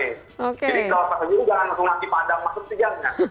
jadi kalau pas kejil jangan langsung lagi padang masuk sejalan